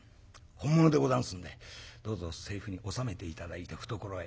本物でござんすんでどうぞ財布に収めて頂いて懐へ。